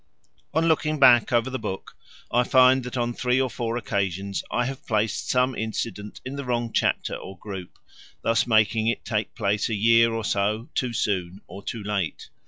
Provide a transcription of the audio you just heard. On looking back over the book, I find that on three or four occasions I have placed some incident in the wrong chapter or group, thus making it take place a year or so too soon or too late.